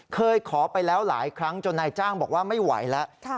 เคยขอไปแล้วหลายครั้งจนนายจ้างบอกว่าไม่ไหวแล้ว